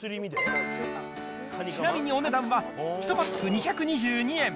ちなみにお値段は、１パック２２２円。